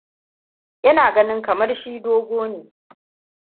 Ina ganin kamar shi dogo ne.